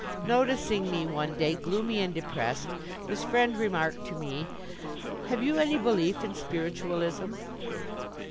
Noticing me one day gloomy and depressed, this Friend remarked to me: "Have you any belief in Spiritualism?"